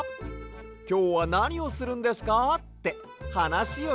「きょうはなにをするんですか？」ってはなしをきくのさ。